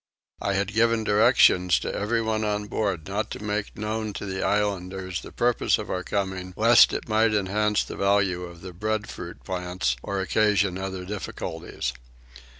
I had given directions to everyone on board not to make known to the islanders the purpose of our coming lest it might enhance the value of the breadfruit plants, or occasion other difficulties.